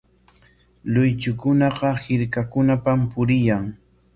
Luychukunaqa hirkakunapam puriyan.